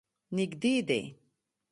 نږدې دی.